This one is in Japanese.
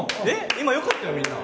今よかったよみんな